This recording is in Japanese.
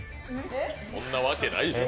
そんなわけないでしょ